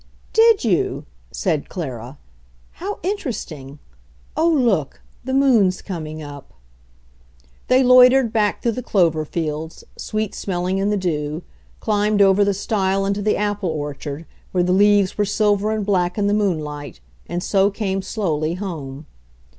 "Did you?" said Clara. "How interesting! Oh, look ! The moon's coming up." They loitered back through the clover fields, sweet smelling in the dew, climbed over the stile into the apple orchard, where the leaves were sil ver and black in the moonlight, and so came slowly home.